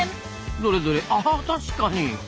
どれどれあ確かに。